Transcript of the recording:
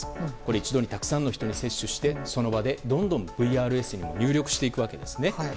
一度にたくさんの人に接種して、その場でどんどんＶＲＳに入力していくわけです。